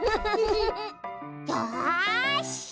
よし！